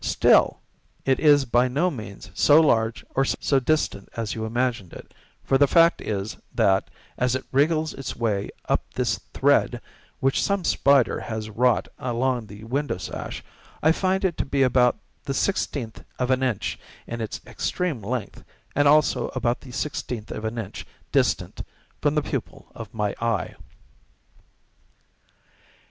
Still, it is by no means so large or so distant as you imagined it,—for the fact is that, as it wriggles its way up this thread, which some spider has wrought along the window sash, I find it to be about the sixteenth of an inch in its extreme length, and also about the sixteenth of an inch distant from the pupil of my eye."